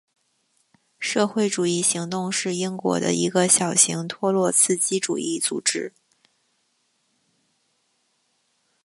社会主义行动是英国的一个小型托洛茨基主义组织。